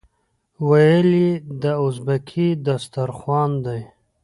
ویل یې دا ازبکي دسترخوان دی.